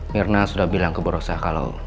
mirna sudah bilang ke bu rosa kalau